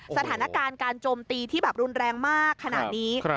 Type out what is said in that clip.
สถานการณ์การโจมตีที่แบบรุนแรงมากขนาดนี้